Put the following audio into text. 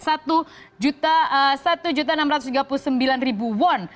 satu juta satu juta enam ratus tiga puluh sembilan ribu won